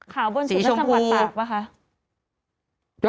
ขาวบนสุดในจังหวัดปากปะคะสีชมพู